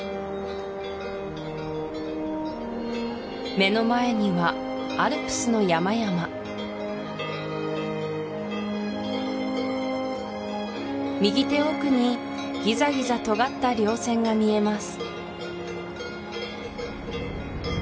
目の前にはアルプスの山々右手奥にギザギザ尖った稜線が見えます